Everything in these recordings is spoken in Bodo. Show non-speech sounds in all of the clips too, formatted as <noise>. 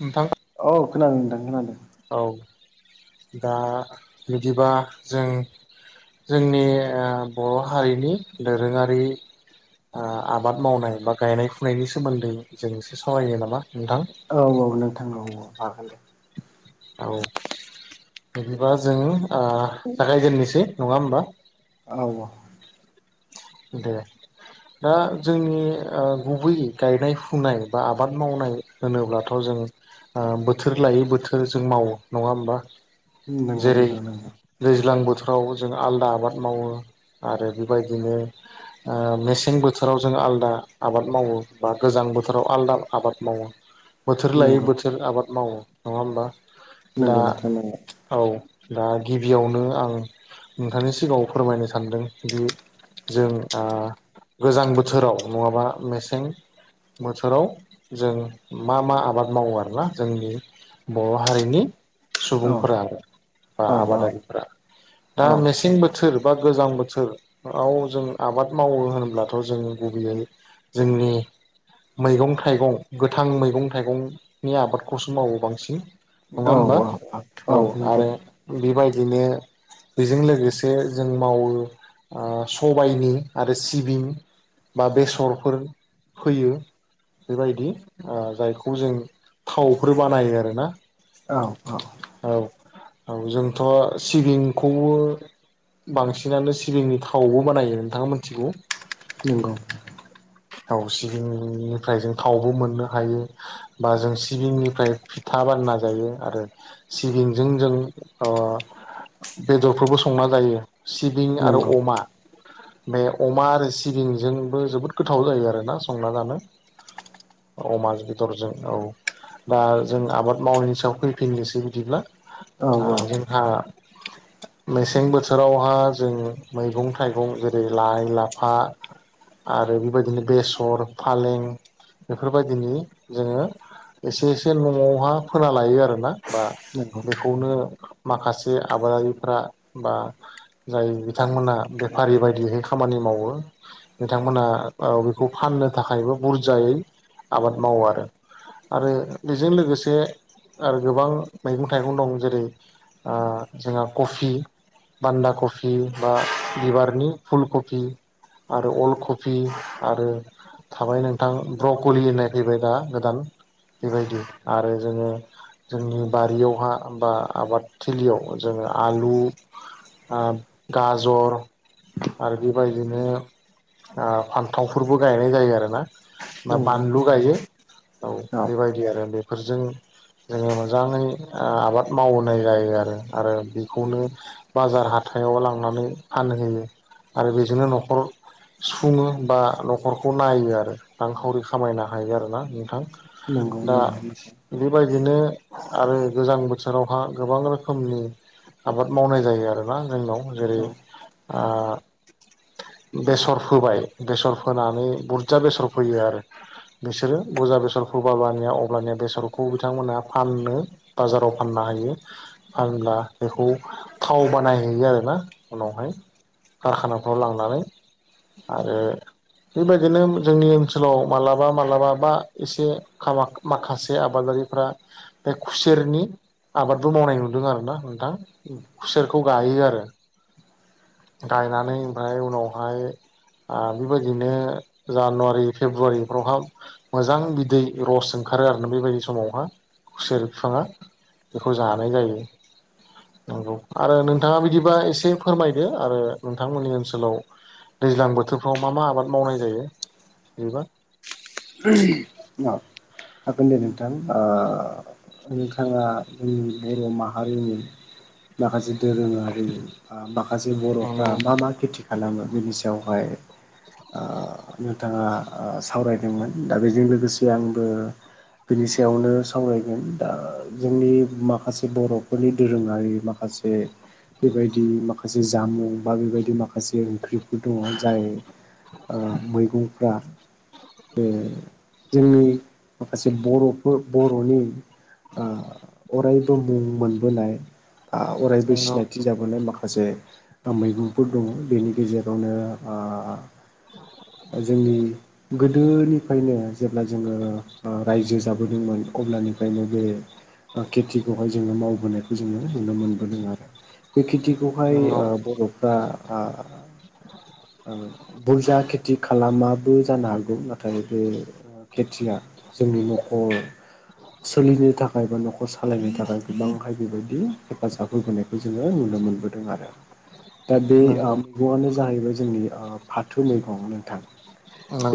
नोंथां खोनांदां होननानै औ दा बिदिबा जों जोंनि बर' हारिनि दोरोङारि आबाद मावनाय बा गायनाय फुनायनि सोमोन्दै जों एसे सावायो नामा नोंथां औ औ नोंथांनाव मागोन दे औ बिदिबा जों जागायजेननोसै नङा होमबा औ दे दा जोंनि गुबै गायनाय फुनाय बा आबाद मावनाय होनोब्लाथ' जों बोथोर लायै बोथोर जों मावो नङा होमबा नंगौ जेरै नोंथां नंगौ दैज्लां बोथोर फाव जों आलादा आबाद मावो आरो बेबायदिनो मेसें बोथोराव जों आलदा आबाद मावो बा गोजां बोथोराव आलदा आबाद मावो बोथोर लायै नंगौ बोथोर आबाद मावो नङा होमबा दा नंगौ नोंथां नंगौ औ दा गिबियावनो आं नोंथांनि सिगाङाव फोरमायनो सानदों दि जों गोजां बोथोराव नङाबा मेसें बोथोराव जों मा मा आबाद मावो आरोोना जोंनि बर' हारिनि औ सुबुंफोरा बा औ आबादारिफोरा दा मेसें बोथोर बा गोजां बोथोराव जों आबाद मावो होनोबब्लाथ' जों गुबैयै जोंनि मैगं थाइगं गोथां मैगं थाइगंनि आबादखौसो मावो बांसिन नङा औ होमबा औ नंगौ आरो बेबाय बिदिनो बेजों लोगोसे जों मावो सबायनि आरो सिबिं बा बेसरफोर फोयो बेबायदि जायखौ जों थावफोर बानायो आरोना औ औ औ औ जोंथ' सिबिंखौबो बांसिनानो सिबिंनि थ थावबो बानायो नोंथाङा मिथिगौ नोंगाव औाव सिबिंनिफ्राय जों थावबो मोननो हायो बा जों सिबिंनिफ्राय फिथा थाबानना जायो आरो सिबिंजों जों बेदरफोरबो संना जायो सिबिं आरो नंगौ अमा बे अमा आरो सिबिंजोंबो जोबोद गोथाव जायो आरोोना संना जानो अमा बेदरजों औ बा जों आबाद मावनायनि सायाव फैफिननोसै बिदिब्ला औ औ जोंहा <inaudible> मेसें बोथोरावहा जों मैगं थाइगं जेरै लाइ लाफा आरो बेबायदिनो बेसर फालें बेफोरबायदिनि जोङो एसे एसे न'आवहा फोना लायो आरोना। बा नंगौ बेखौनो। माखासे आबादारिफ्रा बा जाय बिथांमोना बेफारि बायदिहै खामानि माव। मावो बिथां नोंथां मोना। औ बेखौ फाननो थाखायबो बुरजायै आबाद मावो आरो। आरो बेजों लोगोसे। आरो गोबां मैगं थाइगं दं जेरै जोंहा ओ कफि। बान्दा कफि बा बिबारनि फुलकफि आरो अल कफि। आरो थाबाय नोंथां ब्रकलि होननाय फैबाय दा गोदान। बेबायदि आरो जोङो। जोंनि बारियावहा बा आबादथिलियाव जोङो आलु। ओ गाजर। आरो बेबायदिनो ओ फान्थावफोरबो गायनाय जायो आरोना। बा नंगौ बानलु गायो औ बेबायदि आरो बे। फोरजों जोङो मोजाङै आबाद मावहोनाय जायो आरो आरो बेखौनो। बाजार हाथाइयाव लांनानै फानहोयो आरो बेजोंनो न'खर। सुङो बा न'खरखौ नायो आरो रांखावरि खामायनो हायो आरोना नोंथां। नंगौ दा नंगौ बेबायदिनो। आरो गोजां बोथोरावहा गोबां रोखोमनि आबाद मावनाय जायो आरोना जोंनाव। जेरै औ ओ। बेसर फोबाय बेसर फोनानै बुरजा बेसर फोयो आरो। बिसोरो बुरजा बेसरखौ बाबानिया अब्लानिया बेसरखौ बिथांमोनहा फानो बाजाराव फानना। दायो फानब्ला बेखौ थाव बानायहयो आरोना उनावहाय। खारखानाफ्राव लांनानै आरो। बेबायदिनो जोंनि ओनसोलाव मालाबा मालाबा बा एसे माखासे आबादारि। बेफ्रा बे खुसेरनि आबादबो मावनाय नुदों आरोना नोंथां। उम खौ गायो आरो। गायनानै ओमफ्राय उनावहाय। ओ बेबायदिनो जानुवारि फेब्रुवारिफ्रावहा मोजां बिदै रस ओंखार। आरो आरो ना बेबायदि समावहा खुसेर बिफाङा बेखौ जानाय जायो। नंगौ आरो नोंथाङा बिदिबा एसे फोरमाय। यो आरो नोंथांमोननि ओनसोलाव दैज्लां बोथोरफ्राव मा मा आबाद मावनाय जायो। बिबा। औ हागोन दे नोंथां ओ। नोंथाङा जोंनि बर' माहारिनि माखासे। दोरोङारि बा माखासे बर'फ्रा नंगौ मा मा खेथि। खालामो बिनि सायावहाय ओ नोंथाङा ओ सावराय। मोन दा बेजों लोगोसे आंबो बिनि सायावनो सावराय। दा जोंनि माखासे बर'फोरनि दोरोङारि माखासे। बेबायदि माखासे जामुं बा बेबायदि माखासे ओंख्रिफोर दङ जाय। ओ मैगंफ्रा। जोंनि माखासे बर'फोर बर'नि ओ अरायबो मुं मोनबोनाय। ओ अरायबो नंगौ सिनायथि जाबोनाय माखासे मैगंफोर दङ बेनि। गेजेरावनो ओ जोंनि। गोदोनिफ्रायनो जेब्ला जोङो ओ रायजो जाबोदोंमोन अब्लानिफ्रायनो बे। ओ खेथिखौहाय जोङो मावबोनाय। जोङो नुनो मोनबोदों आरो बे खिथिखौहाय ओ बर'फ्रा ओ। ओ बुरजा खेथि खालामाबो जानो हागौ नाथाय बे। ओ खेथिया जोंनि न'खर। सोलिनो थाखाय बा न'खर सालायनो थाखाय गोबांहाय बेबायदि हेफाजाब होबोनाय जोङो नुनो मोनबोदों आरो दा बे ओ नंगौ मैगंआनो जाहैबाय जोंनि ओ फाथौ मैगं नोंथां।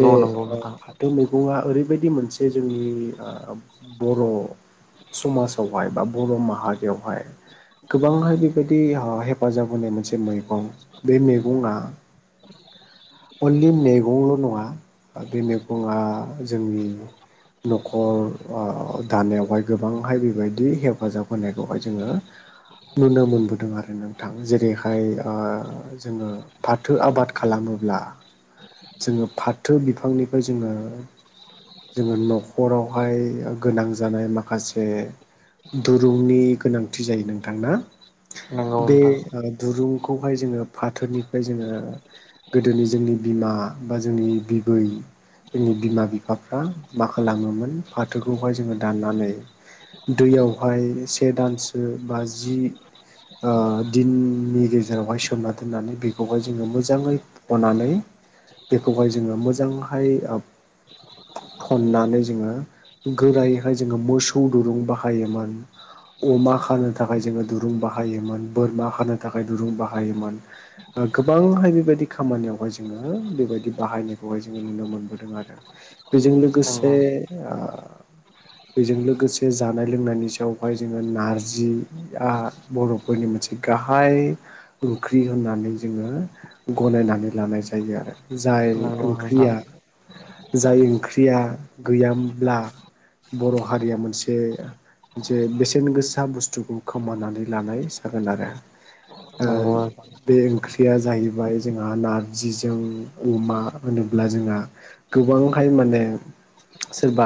बे नंगौ नोंथां फाथो मैगंआ ओरै बायदि मोनसे जोंनि बर' समाजावहाय बा बर' माहारि बेवहाय गोबांहाय बेबायदि हेफाजाब होनाय मोनसे मै गं बे मैगंआ अनलि मैगंल' नङा बे मेगंआ जोंनि न'खर ओ दानायावहाय गोबांहाय बेबायदि हेफाजाब होनायखौहाय जोङो नुनो मोनबोदों आरो नोंथां जेरैहाय ओ जोङो फाथो आबाद खालामोब्ला जोङो फा फांनिफाय जोङो जोङो न'खरावहाय गोनां जानाय माखासे दुरुंनि गोनांथि जायो नोंथां ना? नंगौ बे नोंथां ओ दुरुंखौहाय जोङो फाथोनिफ्राय जोङो गोदोनि जोंनि बिमा बा जोंनि बिबै जोंनि बिमा बिफाफ्रा मा खालामोमोन फाथोखौहाय जोङो दाननानै दैयावहाय से दानसो बा जि ओ दिननि गेजेरावहाय सोमना दोननानै बेखौहाय जोङो मोजाङै फनानै बेखौहाय जोङो मोजांहाय ओ थननानै जोङो गोरायैहाय जोङो मोसौ दुरुं बाहायोमोन अमा खानो थाखाय जोङो दुरुं बाहायोमोन बोरमा खानो थाखाय दुरुं बाहायोमोन ओ गोबांहाय बेबायदि खामानियावहाय जोङो बेबायदि बाहायनायखौहाय जोङो नुनो मोनबोदों आरो बेजों नंगौ लोगोसे ओ बेजों लोगोसे जानाय लोंनायनि सायावहाय जोङो नार्जिआ बर'फोरनि मोन से गाहाय ओंख्रि होननानै जोङो गनायनानै लानाय जायो आरो। जाय नंगौ नोंथां ओंख्रिया जाय ओंख्रिया गैयामब्ला बर' हारिया मोनसे मोनसे बेसेन गोसा बुस्थुखौ खोमानानै लानाय जागोन आरो। ओ नंगौ बे ओंख्रिया जाहैबाय जोंहा नार्जिजों अमा होनोब्ला जोंहा गोबांहाय माने सोरबा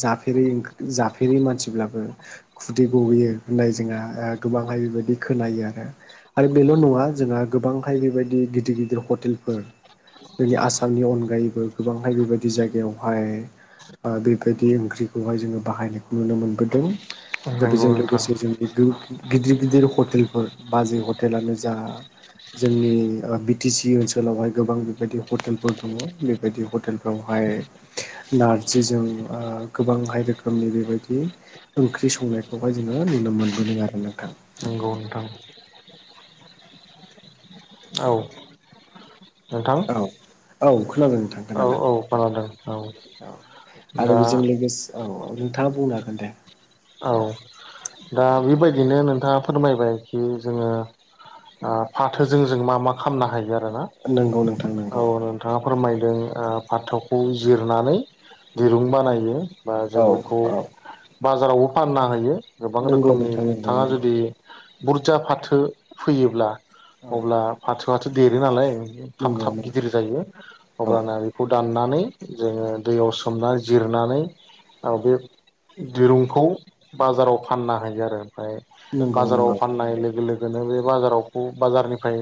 जाफेरै जाफेरै मानसिब्लाबो खुदै गहोयो होननाय जों गोबांहाय बेबायदि खोनायो आरो आरो बेल' नङा जोंहा गोबांहाय बेबायदि गिदिर गि दिर हटेलफोर <inaudible> जोंनि आसामनि अनगायैबो गोबांहाय बेबायदि जायगायावहाय ओ बेबायदि ओंख्रिखौहाय जोङो बाहायनायखौ नुनो मोनबोदों। दा नंगौ बेजों नोंथां लोगोसे जोंनि गो गिदिर गिदिर हटेलफोर बाजै हटेलानो जा जोंनि ओ बि टि सि ओनसोलावहाय गोबां बेबायदि हटेलफोर दङ बेबायदि हटेलफोरावहाय नार्जिजों ओ गोबांहाय रोखोमनि बेबायदि ओंख्रि संनायखौहाय जोङो नुनो मोनबोदों आरो नोंथां। नंगौ नोंथां औ नोंथां। औ औ खोनादों नोंथां औ खोनादों औ खोनादों औ औ आरो दा बेजों लोगोसे औ औ। नोंथाङा बुंनो हागोन दे। औ दा बेबायदिनो नोंथाङा फोरमायबाय खि जोङो ओ फाथोजों जों मा मा खामनो हायो आ रो ना नंगौ नोंथां औ नंगौ नोंथाङा फोरमायदों ओ फाथौखौ जिरनानै दिरुं बानायो बा जों औ बेखौ औ बाजारावबो फानना होयो गोबां नंगौ रोखोमनि नोंथां नंगौ नोंथाङा नंगौ औ जुदि बुरजा फाथो फैयोब्ला अब्ला फाथोआथ' देरो नालाय थाब नंगौ थाब नंगौ गिदिर जायो औ अब्लाना बेखौ दाननानै जोङो दैयाव सोमनानै जिरनानै औ बे दिरुंखौ बाजाराव फाननो हायो आरो ओमफ्राय नंगौ बाजाराव नंगौ फाननाय लोगो लोग गोनो बे बाजाराव खौ बाजारनिफाय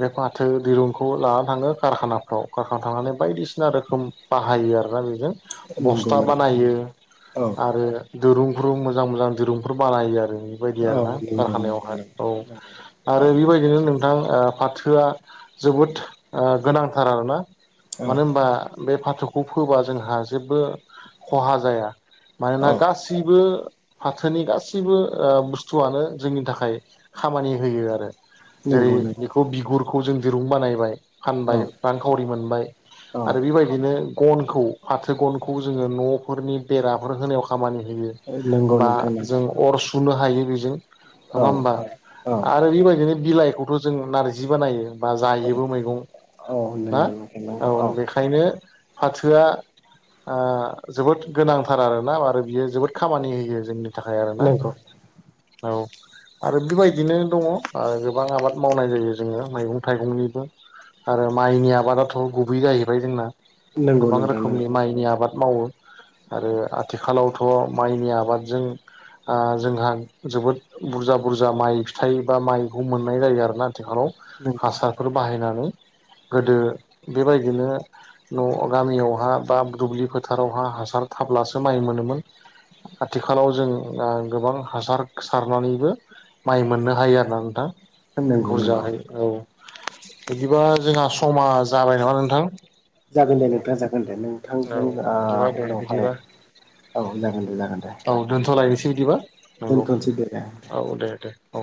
बे फाथो दिरुंखौ लानानै थाङो कारखानाफ्राव कारखाना थांनानै बायदिसिना रोखोम बाहायो आरोना बे यो नंगौ बस्था नंगौ बानायो औ आरो दुरुं ब्रुं मोजां मोजां दिरुंफोर बानायो आरो। बायदि आरो ना नंगौ नंगौ कारखानायावहाय नंगौ औ नंगौ आरो औ बेबायदिनो नों थां फाथोआ जोबोद ओ गोनांथार आरोना। औ मानो होनबा बे फाथोखौ फोबा जोंहा जेबो खहा जाया। मानोना औ गासै बो फाथोनि गासैबो ओ बुस्थुआनो जोंनि थाखाय खामानि होयो आरो। जेरै नंगौ नंगौ बेखौ बिगुरखौ जों दिरुं बानायबाय औ फानबाय रांखावरि मोनबाय औ आरो बेबायदिनो गनखौ फाथो गनखौ जोङो न'फोरनि बेराफोर होनायाव खामानि होयो। नंगौ बा नोंथां जों नंगौ अर सु सुनो हायो बेजों औ नङा होमबा औ औ आरो बेबायदिनो बिलाइखौ थ' जों नारजि बानायो। बा जायोबो मैगं औ ना नंगौ नोंथां औ नंगौ बेखायनो फाथोआ आह जोबोद गोनांथार आरोना आरो बियो जोबोद खामानि होयो जोंनि थाखाय आरोना नंगौ औ आरो बेबायदिनो दङ ओ गोबां आबाद मावनाय जायो जोङो मैगं थाइगंनिबो आरो माइनि आबादाथ' गुबै जाहैबाय जोंना नंगौ गोबां नोंथां रोखोमनि माइनि आबाद मावो आरो आथिखालावथ' माइनि आबादजों ओ जोंहा जोबोद बुरजा बुरजा माइ फिथाइ बा माइखौ मोननाय जायो आरोना। आथिखालाव नंगौ हासारफोर बाहायनानै गोदो बेबायदिनो न' गामियावहा बा दुब्लि फोथारावहा हासार थाब्लासो माइ मोनोमोन। आथिखालाव जों ओ गोबां हासार सारनानैबो माइ मोननो हायो आरोना नोंथां नंगौ नंगौ नंगौ बुरजाहै औ। बिदिबा जोंहा समा जाबाय नामा नोंथां? जागोन दे नोंथां जागोन। जागोन दे औ नोंथांजों ओ बिदिबा दे उनावहाय बिदिबा औ जागोन दे जागोन दे। औ दोनथ'लायनोसै बिदिबा नंगौ दोनथ'नोसै दे दे औ दे दे औ